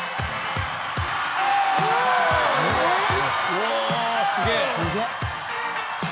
うわすげぇ。